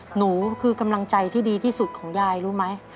หนูคือกำลังใจที่ดีที่สุดของยายรู้ไหม